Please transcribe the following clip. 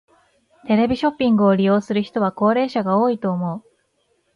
テレビショッピングを利用する人は高齢者が多いと思う。